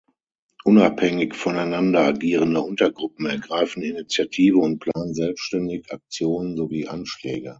Unabhängig voneinander agierende Untergruppen ergreifen Initiative und planen selbstständig Aktionen sowie Anschläge.